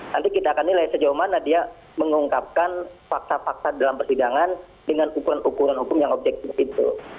nanti kita akan nilai sejauh mana dia mengungkapkan fakta fakta dalam persidangan dengan ukuran ukuran hukum yang objektif itu